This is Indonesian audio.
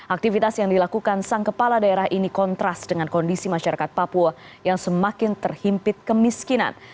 aktivitas yang dilakukan sang kepala daerah ini kontras dengan kondisi masyarakat papua yang semakin terhimpit kemiskinan